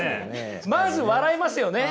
まず笑いますよね。